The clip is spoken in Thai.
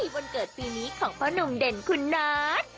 วันเกิดปีนี้ของพ่อนุ่มเด่นคุณนัท